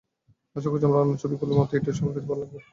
আশা করছি, আমার অন্য ছবিগুলোর মতো এটিও সবার কাছে ভালো লাগবে।